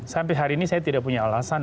sampai hari ini saya tidak punya alasan